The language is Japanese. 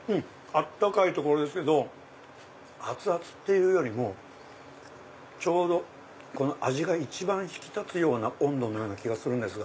温かいとこですけど熱々っていうよりもちょうど味が一番引き立つような温度のような気がするんですが。